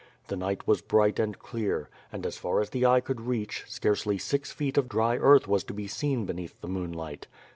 The night was bright and clear, ■ and as far as the eye could reach, scarcely six feet of dry earth was to be seen beneath the moonlight.